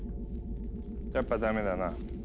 やっぱダメだな。